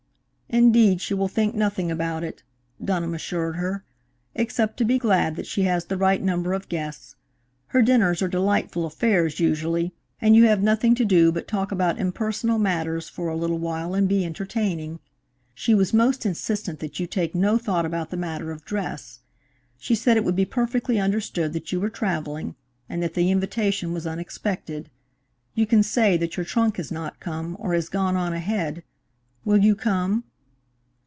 "Indeed, she will think nothing about it," Dunham assured her, "except to be glad that she has the right number of guests. Her dinners are delightful affairs usually, and you have nothing to do but talk about impersonal matters for a little while and be entertaining. She was most insistent that you take no thought about the matter of dress. She said it would be perfectly understood that you were travelling, and that the invitation was unexpected. You can say that your trunk has not come, or has gone on ahead. Will you come?"